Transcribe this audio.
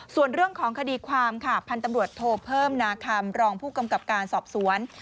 ส่วนเรื่องของคดีความค่ะพันธุ์ตำรวจโทเพิ่มนาคำรองผู้กำกับการสอบสวน